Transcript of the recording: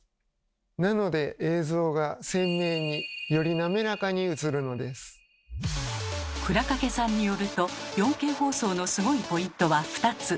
なので映像が倉掛さんによると４Ｋ放送のスゴいポイントは２つ。